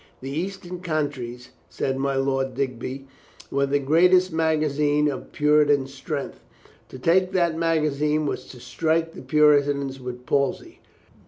The Eastern Counties, said my Lord Digby, were the great magazine of Puritan strength. To take that magazine was to strike the Puritans with palsy.